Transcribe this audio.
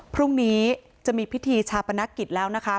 พรุ่งนี้จะมีพิธีชาปนกิจแล้วนะคะ